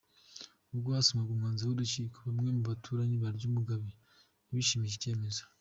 Ubwo hasomwaga umwanzuro w’urukiko bamwe mu baturanyi ba Ryumugabe ntibishimiye iki cyemezo.